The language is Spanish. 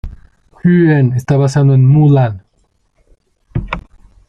Ren está basado en Mulan.